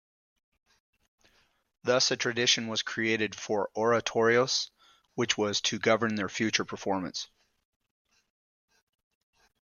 Thus a tradition was created for oratorios which was to govern their future performance.